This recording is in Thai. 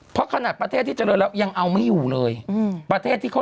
เพราะขนาดประเทศที่เจริญแล้วยังเอาไม่อยู่เลยอืมประเทศที่เขา